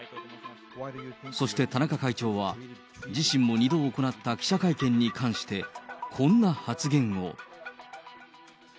そして田中会長は、自身も２度行った記者会見に関して、こんな発言を。